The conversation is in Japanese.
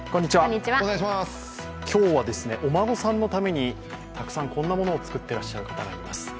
今日はお孫さんのためにたくさんこんなものを作っていらっしゃる方がいます。